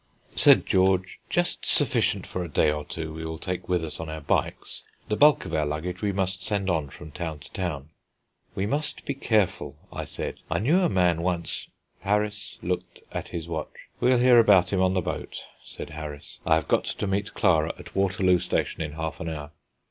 Said George: "Just sufficient for a day or two we will take with us on our bikes. The bulk of our luggage we must send on from town to town." "We must be careful," I said; "I knew a man once " Harris looked at his watch. "We'll hear about him on the boat," said Harris; "I have got to meet Clara at Waterloo Station in half an hour."